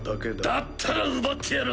だったら奪ってやる！